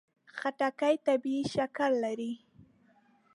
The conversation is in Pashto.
خټکی طبیعي شکر لري.